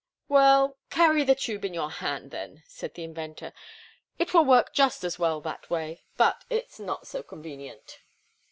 "Well, carry the tube in your hand, then," said the inventor. "It will work just as well that way, but it's not so convenient."